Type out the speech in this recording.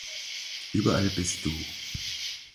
Überall bist du.